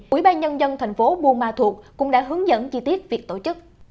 quỹ ba nhân dân thành phố bumatut cũng đã hướng dẫn chi tiết việc tổ chức